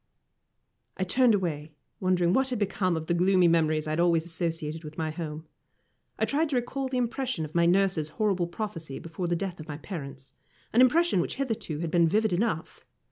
I turned away, wondering what had become of the gloomy memories I had always associated with my home. I tried to recall the impression of my nurse's horrible prophecy before the death of my parents an impression which hitherto had been vivid enough.